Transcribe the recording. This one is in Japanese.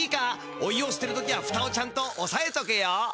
お湯をすてる時はフタをちゃんとおさえとけよ。